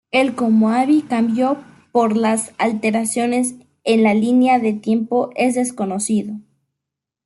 El cómo Abby cambió por las alteraciones en la línea de tiempo es desconocido.